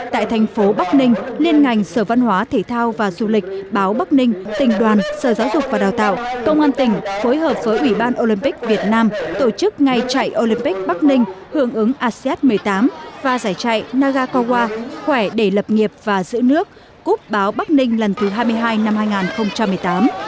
tại thành phố bắc ninh liên ngành sở văn hóa thể thao và du lịch báo bắc ninh tỉnh đoàn sở giáo dục và đào tạo công an tỉnh phối hợp với ủy ban olympic việt nam tổ chức ngày chạy olympic bắc ninh hướng ứng asean một mươi tám và giải chạy nagakawa khỏe để lập nghiệp và giữ nước cúp báo bắc ninh lần thứ hai mươi hai năm hai nghìn một mươi tám